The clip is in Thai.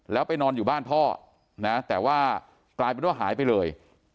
แล้วไปนอนอยู่บ้านพ่อนะแต่ว่ากลายเป็นว่าหายไปเลย